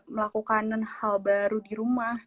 melakukan hal baru di rumah